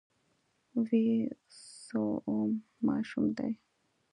ويم څووم ماشوم دی.